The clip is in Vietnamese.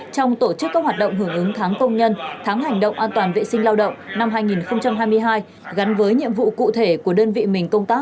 trong tổ chức các hoạt động hưởng ứng tháng công nhân tháng hành động an toàn vệ sinh lao động năm hai nghìn hai mươi hai gắn với nhiệm vụ cụ thể của đơn vị mình công tác